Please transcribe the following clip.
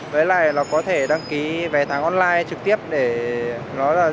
đấy là một cái bản đồ dành cho một cái bản đồ nhỏ dành cho một cái bản đồ nhỏ dành cho một cái bản đồ nhỏ